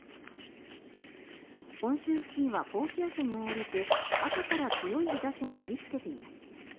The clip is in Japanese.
本州付近は高気圧に覆われて朝から強い日差しが照りつけています。